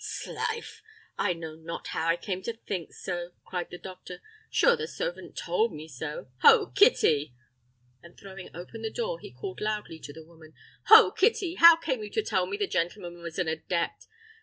"'S life! I know not how I came to think so." cried the doctor; "sure, the servant told me so. Ho, Kitty!" and throwing open the door, he called loudly to the woman, "Ho, Kitty! how came you to tell me the gentleman was an adept?